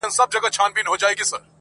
ائینه زړونه درواغ وایي چي نه مرو~